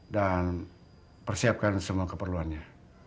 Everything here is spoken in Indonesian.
dan persiapkan semua keperluannya